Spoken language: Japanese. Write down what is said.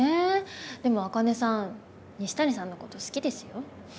でも茜さん西谷さんのこと好きですよ。